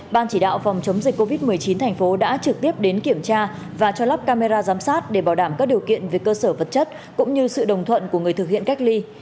ban chỉ đạo phòng chống dịch covid một mươi chín thành phố đã trực tiếp đến kiểm tra và cho lắp camera giám sát để bảo đảm các điều kiện về cơ sở vật chất cũng như sự đồng thuận của người thực hiện cách ly